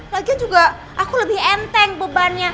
lagian juga aku lebih enteng bebannya